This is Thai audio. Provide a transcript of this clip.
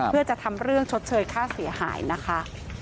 เพื่อจะทำเรื่องชดเชยค่าเสียหายนะคะ